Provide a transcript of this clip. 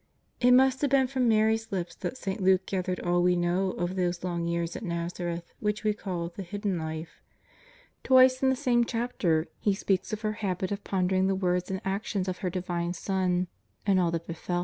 It must have been from Mary's lips that St. Luke gathered all we know of those long years at Nazareth which we call the Hidden Life. Twice in the same chapter he speaks of her habit of pondering the words and actions of her Divine Son, and all that befell Hinu THE FLIGHT TXTO EGYPT.